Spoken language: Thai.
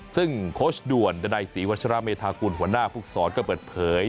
ซึ่งโค้ชด่วนดันัยศรีวัชราเมธากุลหัวหน้าภูกษรก็เปิดเผย